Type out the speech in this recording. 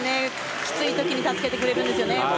きつい時に助けてくれるんですよね。